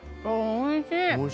おいしい？